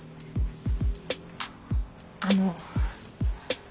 あの。